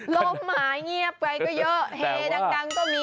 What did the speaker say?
ลมหมาเงียบไปก็เยอะเฮดังก็มี